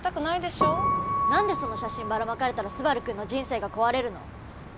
なんでその写真ばらまかれたらスバルくんの人生が壊れるの？